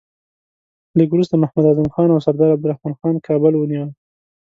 لږ وروسته محمد اعظم خان او سردار عبدالرحمن خان کابل ونیوی.